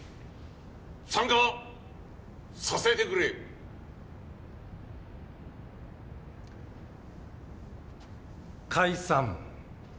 参加させてくれ。解散。